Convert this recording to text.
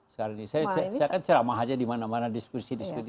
saya kan ceramah saja di mana mana diskusi diskusi